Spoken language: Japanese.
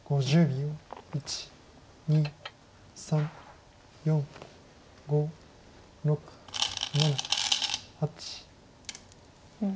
１２３４５６７８。